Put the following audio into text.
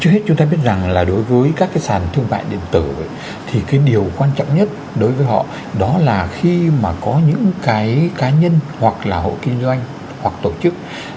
trước hết chúng ta biết rằng là đối với các cái sàn thương mại điện tử thì cái điều quan trọng nhất đối với họ đó là khi mà có những cái cá nhân hoặc là hộ kinh doanh hoặc tổ chức